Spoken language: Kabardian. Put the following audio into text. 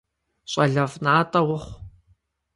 Щӏалэфӏ натӏэ ухъу!